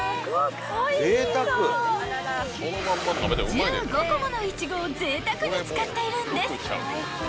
［１５個ものイチゴをぜいたくに使っているんです］